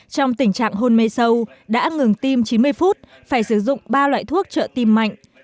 trong tình trạng hôn mê sâu đã ngừng tim chín mươi phút phải sử dụng ba loại thuốc trợ tim mạnh